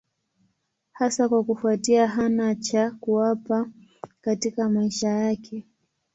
Hasa kwa kufuatia hana cha kuwapa katika maisha yake.